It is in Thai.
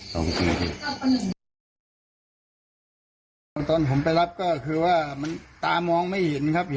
ตอนผมไปรับก็คือว่าแต่ตามองไม่เห็นฮะ